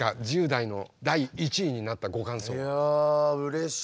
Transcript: １０代の第１位になったご感想は。